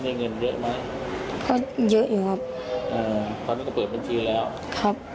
เงินเยอะไหมก็เยอะอยู่ครับอ่าตอนนี้ก็เปิดบัญชีแล้วครับ